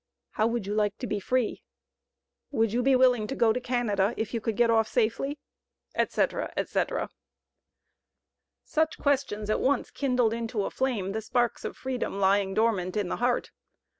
"How would you like to be free?" "Would you be willing to go to Canada if you could get off safely," etc., etc. Such questions at once kindled into a flame the sparks of freedom lying dormant in the heart.